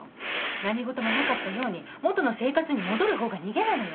何事もなかったように元の生活に戻る方が逃げなのよ？